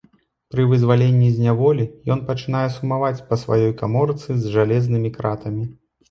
Пры вызваленні з няволі ён пачынае сумаваць па сваёй каморцы з жалезнымі кратамі.